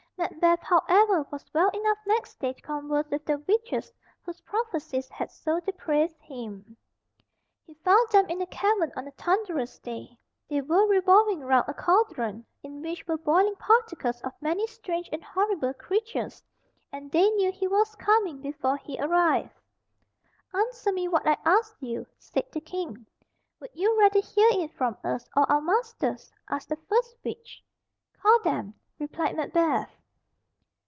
Macbeth, however, was well enough next day to converse with the witches whose prophecies had so depraved him. He found them in a cavern on a thunderous day. They were revolving round a cauldron in which were boiling particles of many strange and horrible creatures, and they knew he was coming before he arrived. "Answer me what I ask you," said the King. "Would you rather hear it from us or our masters?" asked the first witch. "Call them," replied Macbeth.